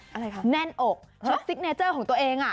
อะไรคะแน่นอกชุดซิกเนเจอร์ของตัวเอง